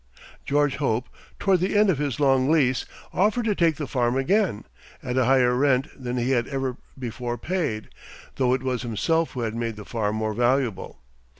George Hope, toward the end of his long lease, offered to take the farm again, at a higher rent than he had ever before paid, though it was himself who had made the farm more valuable.